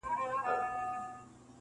د سواهدو په لټه کي دي او هر څه ګوري-